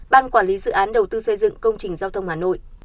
ban quản lý dự án đầu tư xây dựng công trình giao thông hà nội